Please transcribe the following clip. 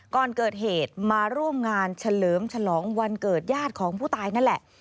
ก่อนเกิดเหตุมาร่วมงานเฉลิมฉลองวันเกิดญาติของผู้ตายนั่นแหละ